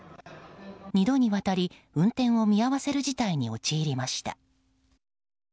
２度にわたり、運転を見合わせる事態に陥りました。